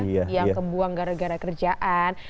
yang kebuang gara gara kerjaan